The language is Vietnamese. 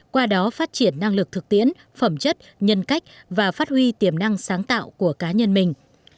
qua đó phát triển năng lực thực tiễn phẩm chất nhân cách và phát huy tiềm năng sáng tạo của cá nhân mình